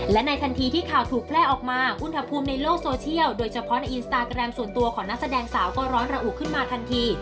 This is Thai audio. และในทันทีที่ข่าวถูกแพร่ออกมาอุณหภูมิในโลกโซเชียลโดยเฉพาะในอินสตาแกรมส่วนตัวของนักแสดงสาวก็ร้อนระอุขึ้นมาทันที